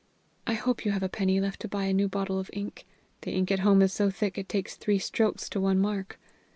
I hope you have a penny left to buy a new bottle of ink. The ink at home is so thick it takes three strokes to one mark."